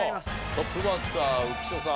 トップバッター浮所さん